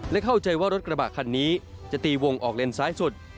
และเข้าใจว่ารถกระบะคันนี้จะตีวงออกเลนซ้ายสุด